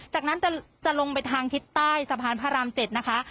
จากนั้นจะลงไปทางทิศใต้สะพานพระราม๗นะคะ